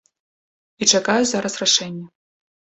І чакаю зараз рашэння.